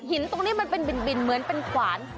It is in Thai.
ตรงนี้มันเป็นบินเหมือนเป็นขวาน